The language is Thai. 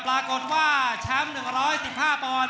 ปรากฏว่าแชมป์๑๑๕ปอนด์